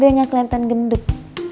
udah gak keliatan gendut